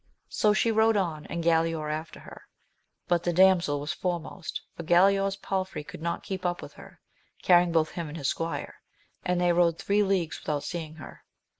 So she rode on, and Galaor after her ; but the damsel was foremost, for Galaor's palfrey could not keep up with her, carrying both him and his squire, and they rode three leagues without seeing her.